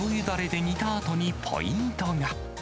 だれで煮たあとにポイントが。